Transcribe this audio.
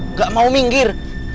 nggak mau minggir